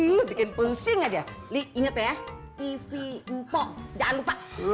lu bikin pusing aja li inget ya tv mpok jangan lupa